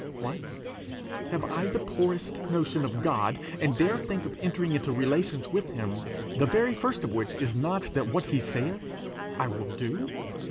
What! have I the poorest notion of a God, and dare think of entering into relations with him, the very first of which is not that what he saith, I will do?